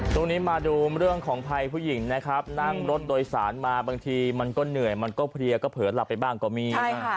ตรงนี้มาดูเรื่องของภัยผู้หญิงนะครับนั่งรถโดยสารมาบางทีมันก็เหนื่อยมันก็เพลียก็เผลอหลับไปบ้างก็มี